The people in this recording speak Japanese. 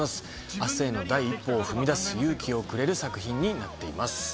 明日への第一歩を踏み出す勇気をくれる作品になっています。